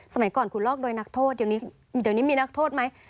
สมัยก่อนคุณลอกโดยนักโทษเดี๋ยวนี้มีนักโทษไหม